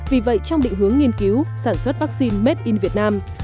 vì vậy trong định hướng nghiên cứu sản xuất vắc xin made in việt nam